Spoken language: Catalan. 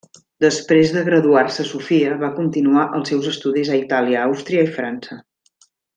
Després de graduar-se a Sofia, va continuar els seus estudis a Itàlia, Àustria i França.